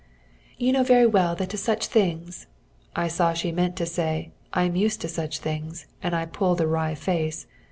"You know very well that to such things" ... (I saw that she meant to say, "I am used to such things," and I pulled a wry face.